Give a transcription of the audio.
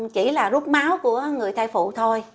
chỉ là rút máu của người thai phụ thôi